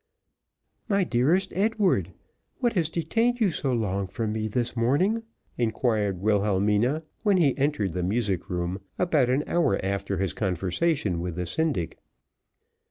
"My dearest Edward, what has detained you so long from me this morning," inquired Wilhelmina when he entered the music room, about an hour after his conversation with the syndic.